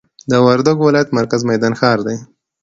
د وردګ ولایت مرکز میدان ښار دي.